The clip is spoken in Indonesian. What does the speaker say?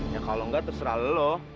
ya kalau nggak terserah lo